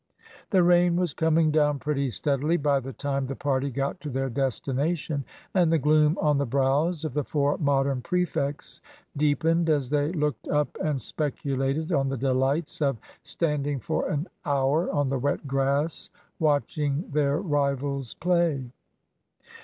The rain was coming down pretty steadily by the time the party got to their destination, and the gloom on the brows of the four Modern prefects deepened as they looked up and speculated on the delights of standing for an hour on the wet grass watching their rivals play.